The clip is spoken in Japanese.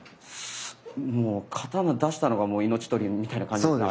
もう刀出したのがもう命取りみたいな感じですね